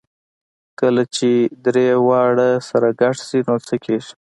کله چې درې واړه سره ګډ شي نو څه کېږي؟